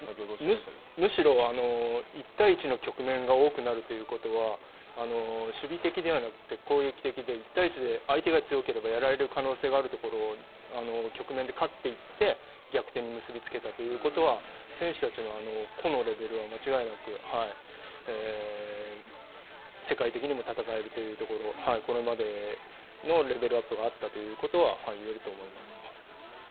むしろ１対１の攻撃が多くなるということは、１対１で相手が強ければやられる可能性があるところを局面で勝っていって、逆転に結び付けたということは選手たちの個のレベルは間違いなく世界的にも戦えるというところをこれまでのレベルアップがあったということはいえると思います。